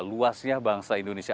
luasnya bangsa indonesia